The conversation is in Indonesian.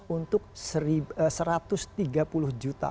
untuk satu ratus tiga puluh juta